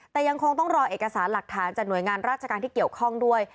แต่ยังคงต้องรอเอกสารหลักฐานจากหน่วยงานราชการที่เกี่ยวข้องด้วย